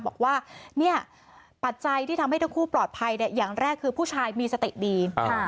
บอกว่าเนี่ยปัจจัยที่ทำให้ทั้งคู่ปลอดภัยอย่างแรกคือผู้ชายมีสติดี